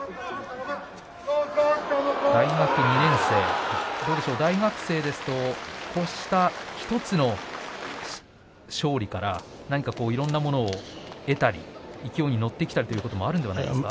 大学２年生大学生ですと、こうした１つの勝利から、何かいろんなものを得たり勢いに乗ってきたりということもあるんじゃないですか。